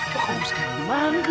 pak kamu harusnya memanggil